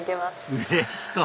うれしそう！